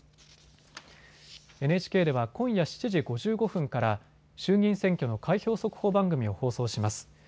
ＮＨＫでは今夜７時５５分から衆議院選挙の開票速報番組を放送します。